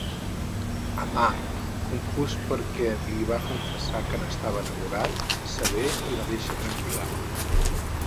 Amar, confús perquè li havia confessat que n'estava enamorat, s'avé a deixar-la tranquil·la.